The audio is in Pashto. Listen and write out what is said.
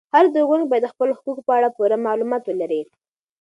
هر زده کوونکی باید د خپلو حقوقو په اړه پوره معلومات ولري.